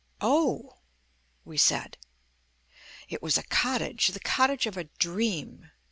"Oh!" we said. It was a cottage, the cottage of a dream.